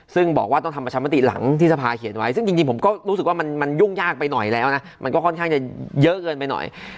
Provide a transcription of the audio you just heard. ซึ่งบอกว่าต้องทำประชามติหลังที่สภาเขียนไว้ซึ่งจริงผมก็รู้สึกว่ามันยุ่งยากไปหน่อยแล้วนะมันก็ค่อนข้างจะเยอะเกินไปหน่อย